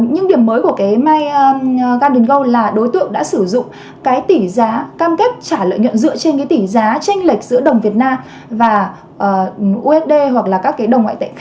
nhưng điểm mới của mygardengo là đối tượng đã sử dụng tỷ giá cam kết trả lợi nhuận dựa trên tỷ giá tranh lệch giữa đồng việt nam và usd